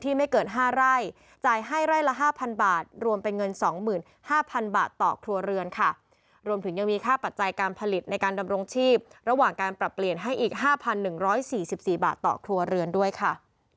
อีก๕๑๔๔บาทต่อครัวเรือนด้วยค่ะ